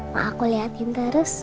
mau aku liatin terus